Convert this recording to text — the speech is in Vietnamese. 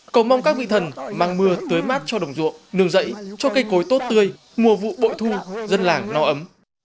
cầu mong các vị thần mang mưa tưới mát cho đồng ruộng nương rẫy cho cây cối tốt tươi mùa vụ bội thu dân làng no ấm